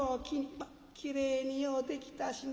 「まっきれいにようできたしな」。